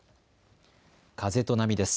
風と波です。